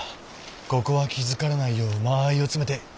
ここは気付かれないよう間合いを詰めて一気に一網打尽。